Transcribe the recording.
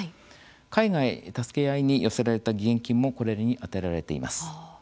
「海外たすけあい」に寄せられた義援金もこれに充てられています。